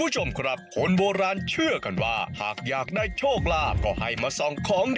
จะมาขอเชิกขอลาบทางครบ